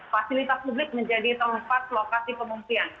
fasilitas publik menjadi tempat lokasi pengungsian